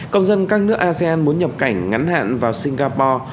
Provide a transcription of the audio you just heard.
công dân các nước asean muốn nhập cảnh ngắn hạn vào singapore